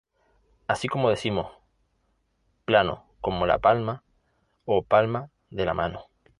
Así como decimos: plano como la palma, o palma de la mano.